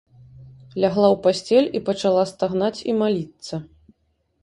Лягла ў пасцель і пачала стагнаць і маліцца.